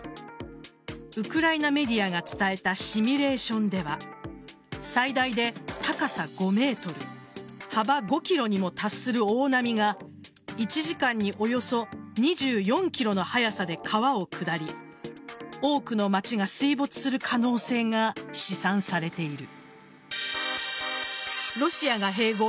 ウクライナメディアが伝えたシミュレーションでは最大で高さ５ｍ幅５ｋｍにも達する大波が１時間におよそ２４キロの速さで川を下り多くの街が水没する可能性が試算されている。